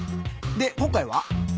で今回は？